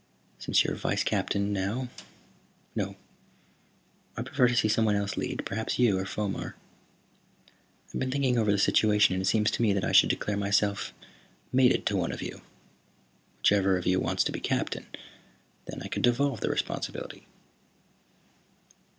Since you're vice captain now " "No. I prefer to see someone else lead, perhaps you or Fomar. I've been thinking over the situation and it seems to me that I should declare myself mated to one of you, whichever of you wants to be captain. Then I could devolve the responsibility."